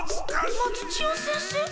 松千代先生？